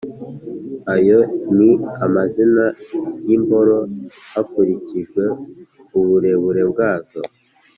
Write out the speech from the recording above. ayo n i amazina y ' i m boro hakur ik i j w e uburebu re bwazo